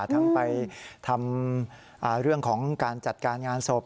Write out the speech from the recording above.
ทั้งไปทำเรื่องของการจัดการงานศพ